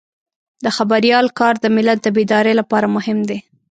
د خبریال کار د ملت د بیدارۍ لپاره مهم دی.